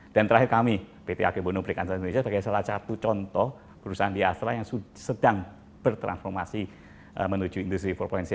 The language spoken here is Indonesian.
dan terakhir kami pt ag bono brick antara indonesia sebagai salah satu contoh perusahaan di astra yang sedang bertransformasi menuju industri empat